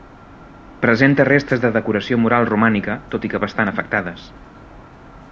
Presenta restes de decoració mural romànica, tot i que bastant afectades.